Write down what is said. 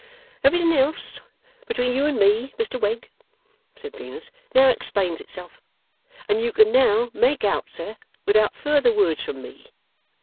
'Everything else between you and me, Mr Wegg,' said Venus, 'now explains itself, and you can now make out, sir, without further words from me.